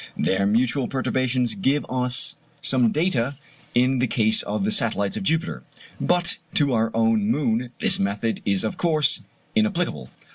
Their mutual perturbations give us some data in the case of the satellites of Jupiter; but to our own moon this method is of course inapplicable.